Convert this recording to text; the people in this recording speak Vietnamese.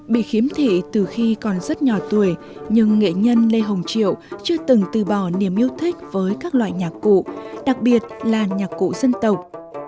bị khiếm thị từ khi còn rất nhỏ tuổi nhưng nghệ nhân lê hồng triệu chưa từng từ bỏ niềm yêu thích với các loại nhạc cụ đặc biệt là nhạc cụ dân tộc